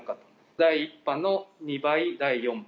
第１波の２倍、第４波。